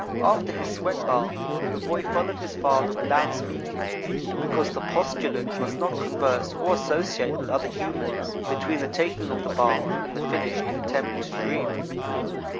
After his sweat bath, the boy followed his father without speaking, because the postulant must not converse or associate with other humans between the taking of the bath and the finished attempt to dream.